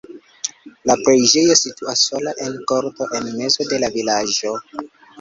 La preĝejo situas sola en korto en mezo de la vilaĝo.